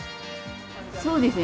そうですね。